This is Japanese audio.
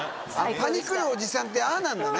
パニクるおじさんってああなんだね。